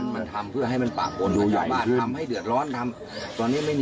มันทำเพื่อให้มันอบสะพาน